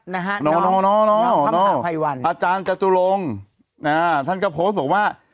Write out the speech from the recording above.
แต่ล่าสุดอาจารย์จตุลงท่านก็โพสต์นะ